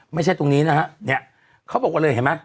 ไม่ใช่ตรงนี้นะฮะเนี่ยเขาบอกว่าเลยเห็นไหม